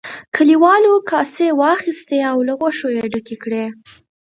کليوالو کاسې واخیستې او له غوښو یې ډکې کړې.